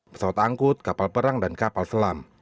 pesawat angkut kapal perang dan kapal selam